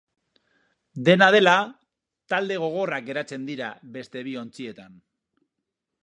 Dena dela, talde gogorrak geratzen dira beste bi ontzietan.